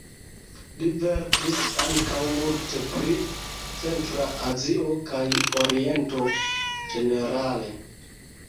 Li verkis ankaŭ multe pri Centra Azio kaj Oriento ĝenerale.